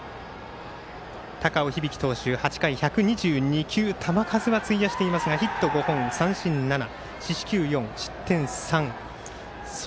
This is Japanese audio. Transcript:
高尾響投手、８回、１２２球球数は費やしていますがヒット５本、三振７四死球４失点３。